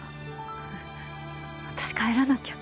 私帰らなきゃ。